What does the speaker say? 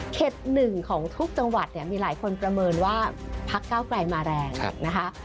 หนึ่งของทุกจังหวัดเนี่ยมีหลายคนประเมินว่าพักเก้าไกลมาแรงนะคะ